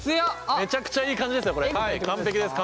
めちゃくちゃいい感じですね